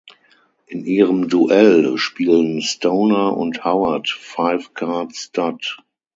In ihrem Duell spielen Stoner und Howard Five Card Stud.